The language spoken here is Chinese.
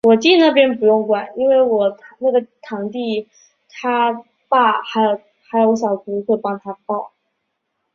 多数当代逻辑学家偏好认为介入规则和除去规则对于表达是同等重要的。